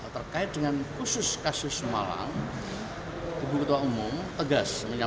terkait dengan khusus kasus